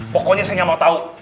pokoknya saya nggak mau tahu